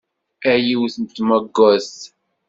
A yiwet n tmagadt!